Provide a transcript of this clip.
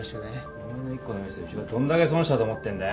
お前の１個のミスでうちがどんだけ損したと思ってんだよ？